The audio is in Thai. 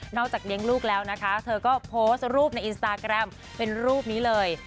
จากเลี้ยงลูกแล้วนะคะเธอก็โพสต์รูปในอินสตาแกรมเป็นรูปนี้เลย